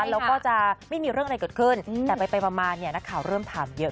แล้วก็จะไม่มีเรื่องอะไรเกิดขึ้นแต่ไปมาเนี่ยนักข่าวเริ่มถามเยอะ